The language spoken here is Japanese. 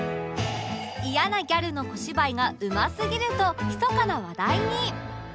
イヤなギャルの小芝居がうますぎるとひそかな話題に